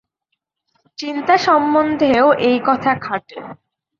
চিন্তা সম্বন্ধেও এই কথা খাটে।